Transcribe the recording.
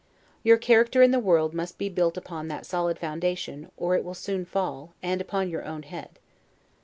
Your character in the world must be built upon that solid foundation, or it will soon fall, and upon your own head.